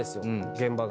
現場が。